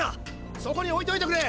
そこに置いておいてくれ！